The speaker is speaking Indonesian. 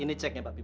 ini ceknya pak bima